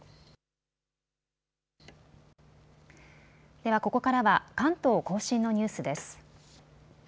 ではここからは関東甲信のニュースです。